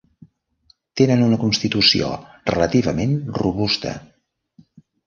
Tenen una constitució relativament robusta.